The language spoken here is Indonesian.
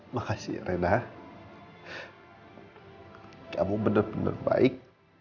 makasih renah kamu bener bener baik